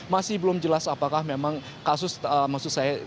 masih belum jelas apakah memang kasus maksud saya